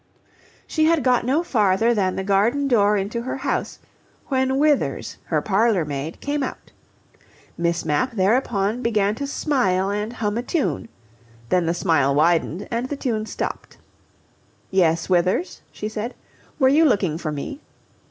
She had got no farther than the garden door into her house when Withers, her parlourmaid, came out. Miss Mapp thereupon began to smile and hum a tune. Then the smile widened and the tune stopped. "Yes, Withers?" she said. "Were you looking for me?"